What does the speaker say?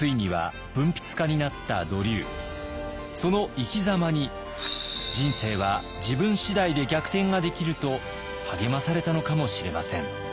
その生きざまに人生は自分次第で逆転ができると励まされたのかもしれません。